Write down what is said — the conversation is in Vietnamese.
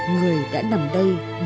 người đã nằm đây